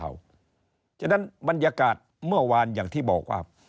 เพราะฉะนั้นบรรยากาศเมื่อวานอย่างที่บอกว่า